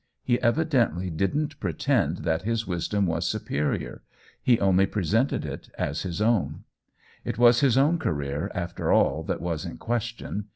He evidently didn't pretend OWEN WINGRAVE 151 that his wisdom was superior ; he only pre sented it as his own. It was his own ca reer, after all, that was in question.